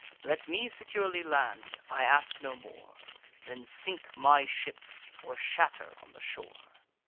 Let me securely land—I ask no more; Then sink my ships, or shatter on the shore."